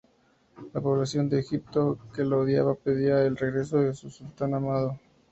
La población de Egipto que lo odiaba, pedía el regreso de su sultán amado.